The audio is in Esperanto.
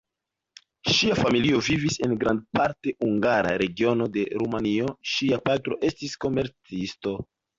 Ŝia familio vivis en grandparte hungara regiono de Rumanio; ŝia patro estis komercisto.